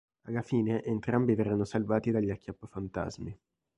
Alla fine entrambi verranno salvati dagli acchiappafantasmi.